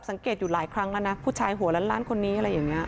สังเกตอยู่หลายครั้งแล้วนะผู้ชายหัวล้านคนนี้อะไรอย่างนี้